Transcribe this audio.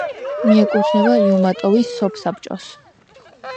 მიეკუთვნება იუმატოვის სოფსაბჭოს.